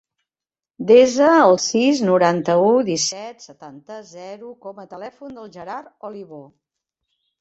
Desa el sis, noranta-u, disset, setanta, zero com a telèfon del Gerard Olivo.